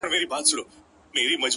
هغه خاموسه شان آهنگ چي لا په ذهن کي دی-